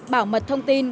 bảo mật thông tin